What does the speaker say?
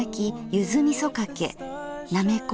ゆずみそかけなめこ